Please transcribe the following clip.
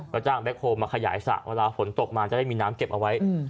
ก็จ้างแก๊โฮลมาขยายสระเวลาฝนตกมาจะได้มีน้ำเก็บเอาไว้